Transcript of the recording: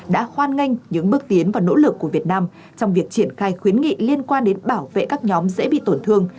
đã hoan nghênh những bước tiến và nỗ lực của việt nam trong việc triển khai khuyến nghị liên quan đến bảo vệ các nhóm dễ bị tổn thương